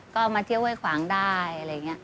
ก็มาเที่ยวห้วยขวางได้อะไรอย่างนี้